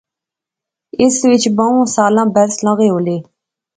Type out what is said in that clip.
اس وچ بہوں سالاں برس لغے ہولے